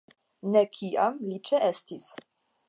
Ne kiam li ĉeestis.